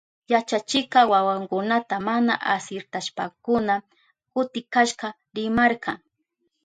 Yachachikka wawakunata mana asirtashpankuna kutikashka rimarka.